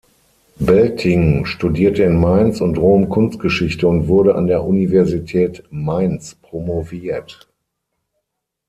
Belting studierte in Mainz und Rom Kunstgeschichte und wurde an der Universität Mainz promoviert.